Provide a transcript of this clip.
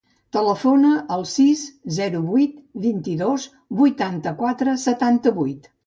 Telefona al sis, zero, vuit, vint-i-dos, vuitanta-quatre, setanta-vuit.